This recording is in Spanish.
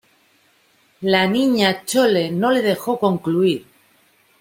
la Niña Chole no le dejó concluir: